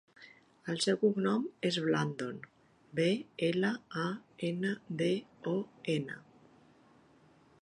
El seu cognom és Blandon: be, ela, a, ena, de, o, ena.